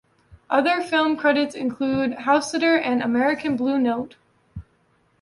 Other film credits include "Housesitter" and "American Blue Note".